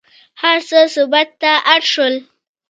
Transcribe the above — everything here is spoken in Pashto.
هر څه ثبت ته اړ شول.